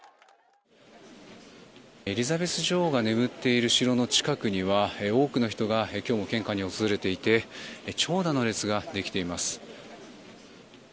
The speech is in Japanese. エリザベス女王が眠っている城の近くには多くの人が今日も献花に訪れていて長蛇の列ができています。